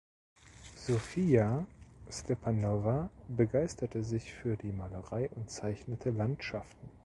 Sofija Stepanowna begeisterte sich für die Malerei und zeichnete Landschaften.